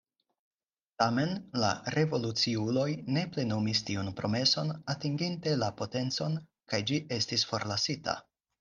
Tamen, la revoluciuloj ne plenumis tiun promeson atinginte la potencon kaj ĝi estis forlasita.